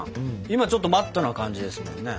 今ちょっとマットな感じですもんね。